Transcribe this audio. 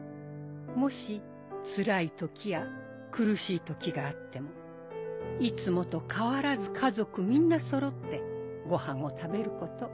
もしつらい時や苦しい時があってもいつもと変わらず家族みんなそろってごはんを食べること。